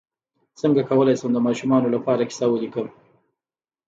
څنګه کولی شم د ماشومانو لپاره کیسه ولیکم